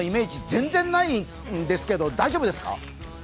全然ないですけど、大丈夫ですか？